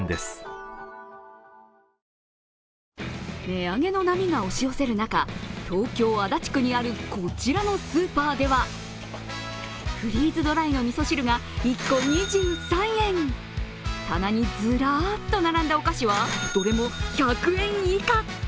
値上げの波が押し寄せる中、東京・足立区にあるこちらのスーパーではフリーズドライのみそ汁が１個３２円棚にずらっと並んだお菓子は、どれも１００円以下。